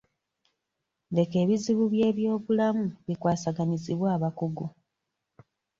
Leka ebizibu by'eby'obulamu bikwasaganyizibwe abakugu.